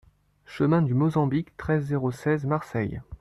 Chemin du Mozambique, treize, zéro seize Marseille